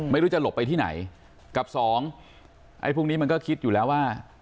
ไม่รู้จะหลบไปที่ไหนกับสองไอ้พวกนี้มันก็คิดอยู่แล้วว่า